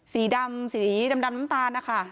สีดำสีดำน้ำตาลนะคะ